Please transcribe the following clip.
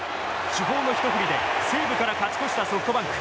主砲のひと振りで西武から勝ち越したソフトバンク。